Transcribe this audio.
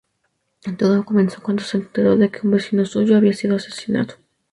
Todo comenzó cuando se enteró de que un vecino suyo había sido asesinado.